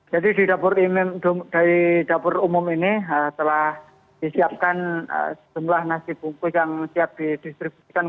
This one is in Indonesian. jadi di dapur umum ini telah disiapkan semuanya nasi bungkus yang siap didistribusikan